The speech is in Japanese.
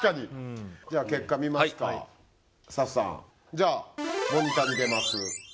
じゃあモニターに出ます。